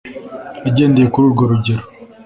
Agendeye kuri urwo rugero